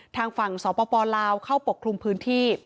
ทางฝั่งสปลาวเข้าปกคลุมพื้นที่